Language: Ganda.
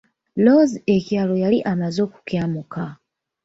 Loozi ekyalo yali amaze okukyamuka.